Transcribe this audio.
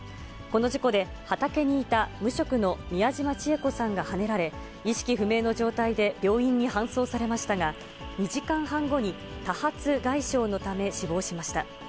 この事故で畑にいた無職の宮嶋チエ子さんがはねられ、意識不明の状態で病院に搬送されましたが、２時間半後に、多発外傷のため死亡しました。